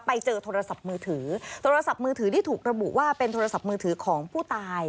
ไปเจอโทรศัพท์มือถือโทรศัพท์มือถือที่ถูกระบุว่าเป็นโทรศัพท์มือถือของผู้ตาย